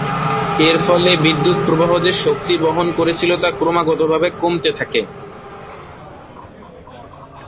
এর ফলে বিদ্যুৎ প্রবাহ যে শক্তি বহন করছিল তা ক্রমাগতভাবে কমতে থাকে।